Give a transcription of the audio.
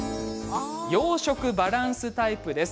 洋食バランスタイプです。